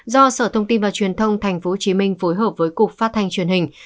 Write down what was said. do sở thông tin và truyền thông tp hcm phối hợp với cục phát thanh truyền hình